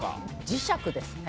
磁石ですね。